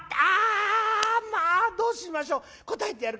「あまあどうしましょ。